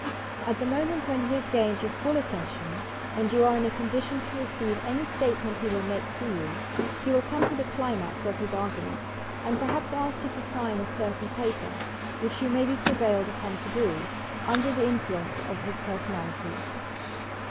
At that moment when he has gained your full attentioui PERSONAL MAGNETISM and you are in a condition to receive any statement he will make to you, he will come to the climax of Mi argument and perhaps ask you to sign a certain paper, which you may be prevailed upon to do, under influence of his personality.